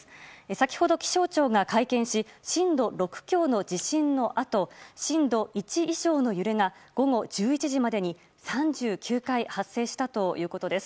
先ほど、気象庁が会見し震度６強の地震のあと震度１以上の揺れが午後１１時までに３９回発生したということです。